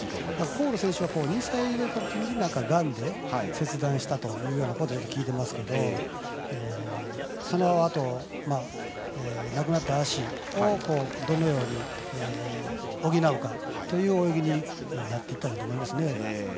コール選手は、がんで切断したということを聞いていますけどそのあと、なくなった足をどのように補うかという泳ぎになっていったと思います。